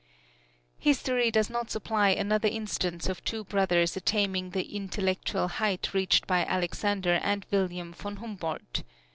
History does not supply another instance of two brothers attaining the intellectual height reached by Alexander and William von Humboldt.